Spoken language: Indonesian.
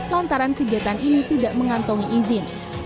lantaran kegiatan ini tidak mengantongi izin